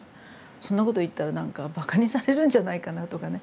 そんなこと言ったら何かバカにされるんじゃないかなとかね。